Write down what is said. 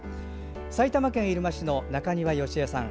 埼玉県入間市の中庭淑惠さん。